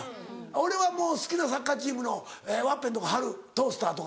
俺はもう好きなサッカーチームのワッペンとか貼るトースターとか。